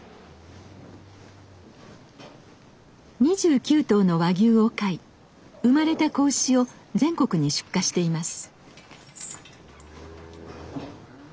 ２９頭の和牛を飼い産まれた子牛を全国に出荷しています。